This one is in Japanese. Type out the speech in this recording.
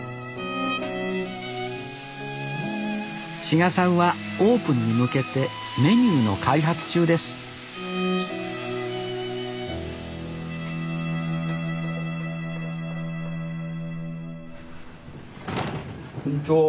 志賀さんはオープンに向けてメニューの開発中です・こんにちは。